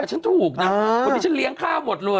ฉันถูกนะคนนี้ฉันเลี้ยงข้าวหมดเลย